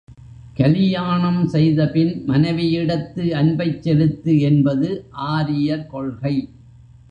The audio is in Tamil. கலியாணம் செய்தபின் மனைவியிடத்து அன்பைச் செலுத்து என்பது ஆரியர் கொள்கை.